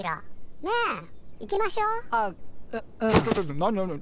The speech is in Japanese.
ちょっとちょっと何何何？